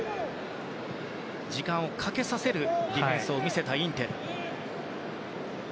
時間をかけさせるディフェンスを見せたインテル。